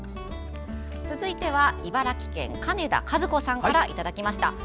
続いては茨城県の金田和子さんからいただきました。